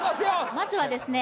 まずはですね